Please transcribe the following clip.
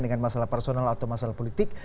dengan masalah personal atau masalah politik